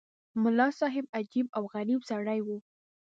ملا صاحب عجیب او غریب سړی وو.